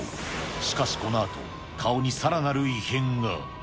しかしこのあと、顔にさらなる異変が。